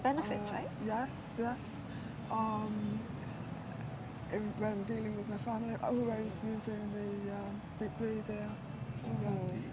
saat menghadapi keluarga saya saya selalu menggunakan latihan di sana